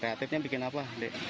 kreatifnya bikin apa dek